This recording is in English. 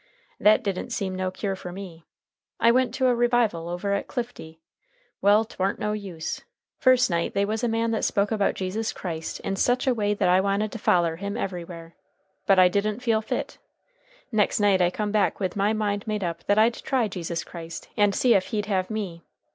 That didn't seem no cure for me, I went to a revival over at Clifty. Well, 'twarn't no use. First night they was a man that spoke about Jesus Christ in sech a way that I wanted to foller him everywhere. But I didn't feel fit. Next night I come back with my mind made up that I'd try Jesus Christ, and see ef he'd have me.